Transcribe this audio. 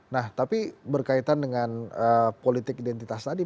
nah tapi berkaitan dengan politik identitas tadi